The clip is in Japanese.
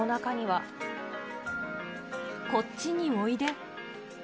こっちにおいで。